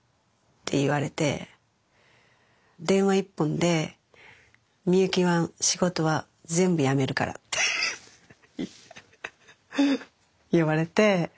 電話一本で美由紀は仕事は全部やめるからって言われて。